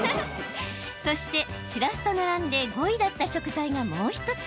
そして、しらすと並んで５位だった食材がもう１つ。